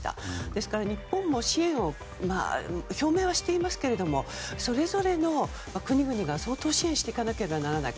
ですから日本も支援を表明はしていますけどそれぞれの国々が相当支援していかなければならない。